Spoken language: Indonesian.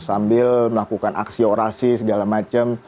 sambil melakukan aksi orasi segala macam